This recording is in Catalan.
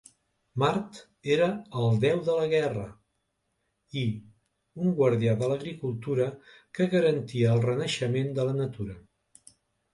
Mart era el deu de la guerra i un guardià de l'agricultura que garantia el renaixement de la natura.